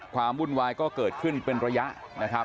วุ่นวายก็เกิดขึ้นเป็นระยะนะครับ